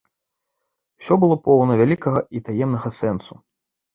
Усё было поўна вялікага і таемнага сэнсу.